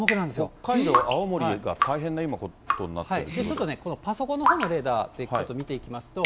北海道、青森が大変なことにちょっとね、パソコンのほうのレーダー、ちょっと見ていきますと。